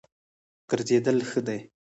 ګرځېدل ښه دی.